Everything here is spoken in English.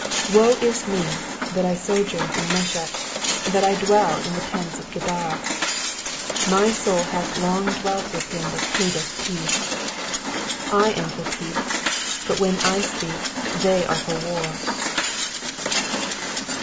5 Woe is me, that I sojourn in Mesech, that I dwell in the tents of Kedar ! 6 My soul hath long dwelt with him that hateth peace. 7 I am for peace : but when I speak, they are for war.